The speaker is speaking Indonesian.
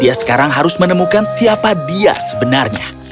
dia sekarang harus menemukan siapa dia sebenarnya